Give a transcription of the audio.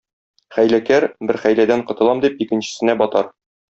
Хәйләкәр бер хәйләдән котылам дип икенчесенә батар.